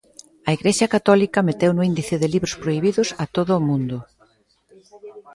A Igrexa católica meteu no índice de libros prohibidos a todo o mundo.